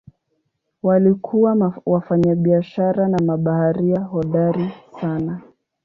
Walikuwa wafanyabiashara na mabaharia hodari sana.